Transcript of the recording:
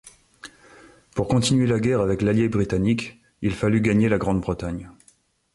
Pour continuer la guerre avec l’allié britannique, il fallut gagner la Grande-Bretagne.